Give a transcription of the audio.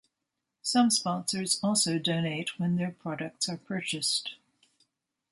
Some sponsors also donate when their products are purchased.